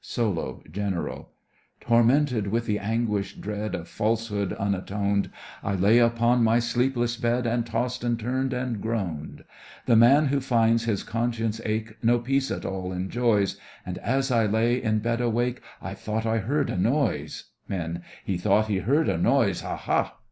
SOLO—GENERAL Tormented with the anguish dread Of falsehood unatoned, I lay upon my sleepless bed, And tossed and turned and groaned. The man who finds his conscience ache No peace at all enjoys; And as I lay in bed awake, I thought I heard a noise. MEN: He thought he heard a noise— ha! ha!